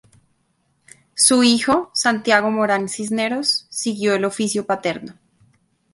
Su hijo, Santiago Morán Cisneros, siguió el oficio paterno.